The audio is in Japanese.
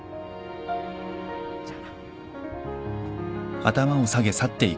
じゃあ。